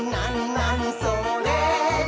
なにそれ？」